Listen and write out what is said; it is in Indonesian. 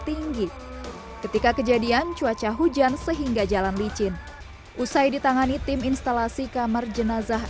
tinggi ketika kejadian cuaca hujan sehingga jalan licin usai ditangani tim instalasi kamar jenazah